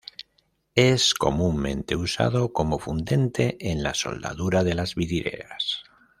Es comúnmente usado como fundente en la soldadura de las vidrieras.